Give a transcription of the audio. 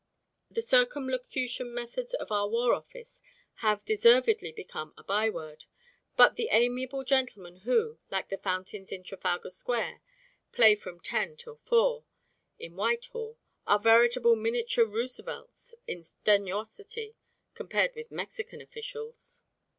The circumlocution methods of our War Office have deservedly become a byword, but the amiable gentlemen who, like the fountains in Trafalgar Square, "play from ten till four" in Whitehall, are veritable miniature Roosevelts in strenuosity compared with Mexican officials.